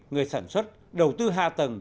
người sản xuất đầu tư hạ tầng